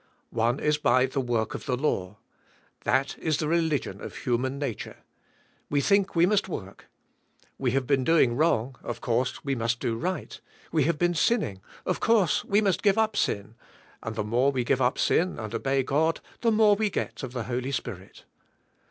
One is by the work of the law. That is the religion of human nature. We think we must work. We have been doing wrong, of course we must do right; we have been sinning, of course we must give up sin, and the more we give up sin and obey God the more we get of the Holy Spirit.